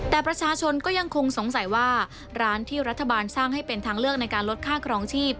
แต่ประชาชนก็ยังคงสงสัยว่าร้านที่รัฐบาลสร้างให้เป็นทางเลือกในการลดค่าครองชีพ